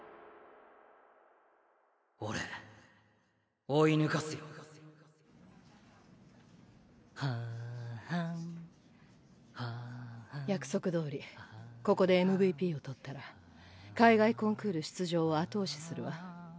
俺追い抜かすよははんははん約束どおりここでＭＶＰを取ったら海外コンクール出場を後押しするわ。